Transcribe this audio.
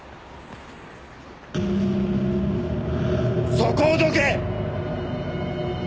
そこをどけ！